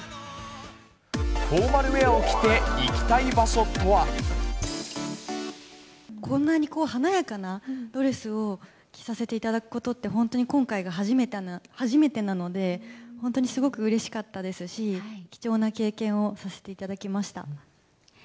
フォーマルウエアを着て、こんなに華やかなドレスを着させていただくことって、本当に今回が初めてなので、本当にすごくうれしかったですし、貴重な経験をさせていただきました。